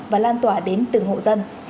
và lan tỏa đến từng hộ dân